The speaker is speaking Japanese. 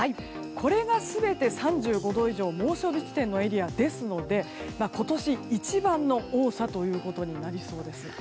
これが全て３５度以上猛暑日地点のエリアですので今年一番の多さとなりそうです。